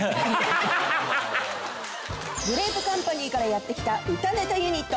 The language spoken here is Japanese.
グレープカンパニーからやってきた歌ネタユニット。